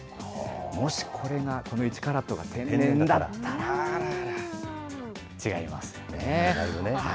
もしこれが、この１カラットが天然だったら、違いますよね。